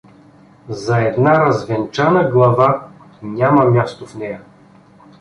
За една развенчана глава няма място в нея.